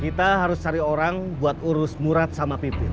kita harus cari orang buat urus murad sama pipit